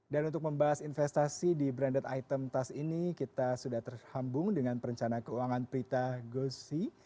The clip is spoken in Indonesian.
dan untuk membahas investasi di branded item tas ini kita sudah terhambung dengan perencana keuangan prita gosi